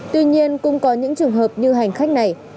tuy nhiên cũng có những trường hợp như hành khách này